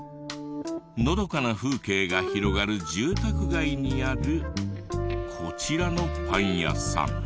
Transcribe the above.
のどかな風景が広がる住宅街にあるこちらのパン屋さん。